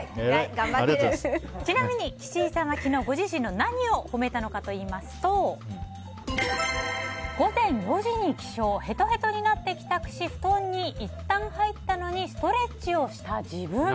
ちなみに岸井さんは昨日ご自身の何を褒めたのかといいますと午前４時に起床ヘトヘトになって起床し布団にいったん入ったのにストレッチした自分。